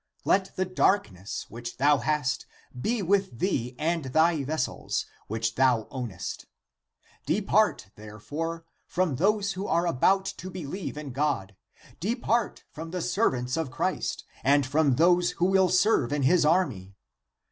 Let the darkness which thou hast be with thee and thy vessels, which thou ownest. Depart, therefore, from those who are about to believe in God ; depart from the servants of Christ and from those who will serve in his army.